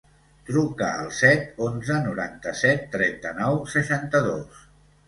Truca al set, onze, noranta-set, trenta-nou, seixanta-dos.